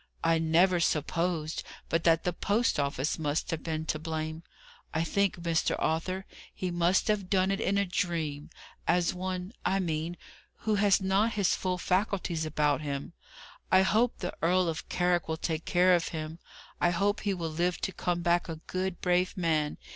"I never supposed but that the post office must have been to blame. I think, Mr. Arthur, he must have done it in a dream; as one, I mean, who has not his full faculties about him. I hope the Earl of Carrick will take care of him. I hope he will live to come back a good, brave man!